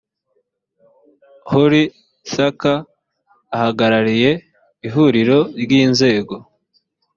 holly thacker uhagarariye ihuriro ry inzego